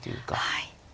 はい。